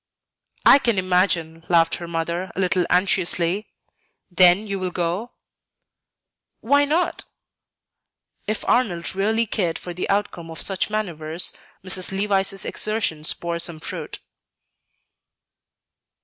"I can imagine," laughed her mother, a little anxiously; "then you will go?" "Why not?" If Arnold really cared for the outcome of such manoeuvres, Mrs. Levice's exertions bore some fruit.